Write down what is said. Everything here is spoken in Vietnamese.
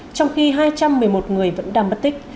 trong khi hai trăm một mươi một người vẫn đang mất tích